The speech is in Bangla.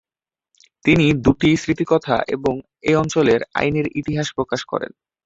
তিনি দুটি স্মৃতিকথা এবং এ অঞ্চলের আইনের ইতিহাস প্রকাশ করেন।